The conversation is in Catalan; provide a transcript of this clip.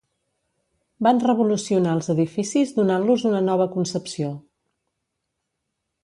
Van revolucionar els edificis donant-los una nova concepció.